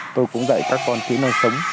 tôi cũng dạy các con kỹ năng sống